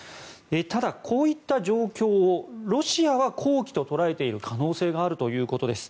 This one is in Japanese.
ただ、こういった状況をロシアは好機と捉えている可能性があるということです。